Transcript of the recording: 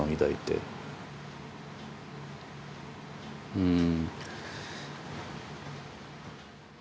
うん。